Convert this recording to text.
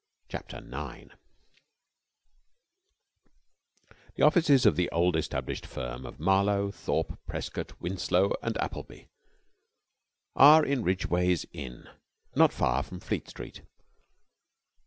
CHAPTER NINE The offices of the old established firm of Marlowe, Thorpe, Prescott, Winslow and Appleby are in Ridgeway's Inn, not far from Fleet Street.